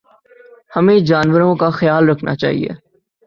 ہمیں جانوروں کا خیال رکھنا چاہیے